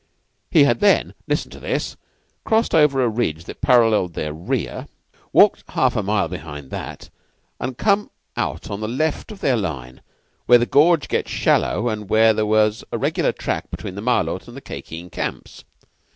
He had then listen to this! crossed over a ridge that paralleled their rear, walked half a mile behind that, and come out on the left of their line where the gorge gets shallow and where there was a regular track between the Malôt and the Khye Kheen camps.